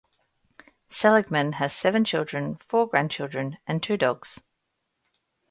Seligman has seven children, four grandchildren, and two dogs.